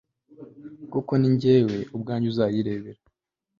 koko ni jyewe ubwanjye uzayirebera